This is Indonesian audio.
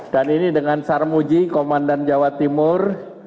dan ini dengan sarmuji komandan jawa timur